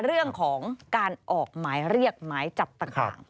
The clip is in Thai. เรื่องของการออกหมายเรียกหมายจับต่าง